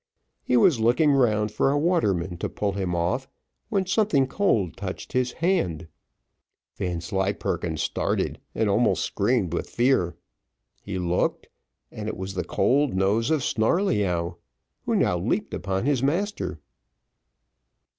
He was looking round for a waterman to pull him off, when something cold touched his hand. Vanslyperken started, and almost screamed with fear. He looked, and it was the cold nose of Snarleyyow, who now leaped upon his master.